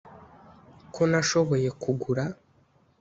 ko nashoboye kugura,